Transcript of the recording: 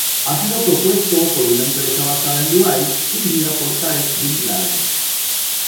Ha sido propuesto por una empresa basada en Dubái dirigida por Tarek bin Laden.